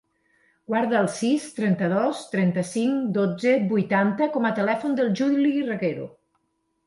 Guarda el sis, trenta-dos, trenta-cinc, dotze, vuitanta com a telèfon del Juli Reguero.